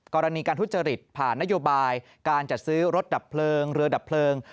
กรณีการทุจริตผ่านนโยบายการจัดซื้อรถดับเพลิงเรือดับเพลิง